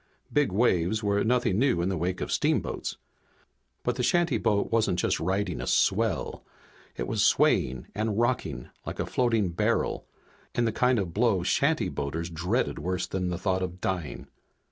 Big waves were nothing new in the wake of steamboats, but the shantyboat wasn't just riding a swell. It was swaying and rocking like a floating barrel in the kind of blow Shantyboaters dreaded worse than the thought of dying.